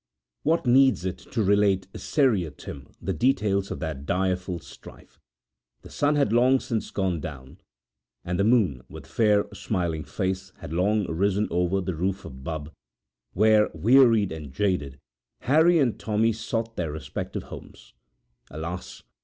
What needs it to relate seriatim the details of that direful strife? The sun had long since gone down, and the moon with fair, smiling face had long risen over the roof of Bubb, when, wearied and jaded, Harry and Tommy sought their respective homes. Alas!